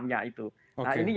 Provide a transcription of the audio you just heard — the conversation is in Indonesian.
ini yang menurut saya lebih fokus